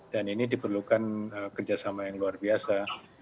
dan ini diperlukan kerjasama yang luar biasa